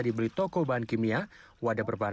dibeli toko bahan kimia wadah berbahan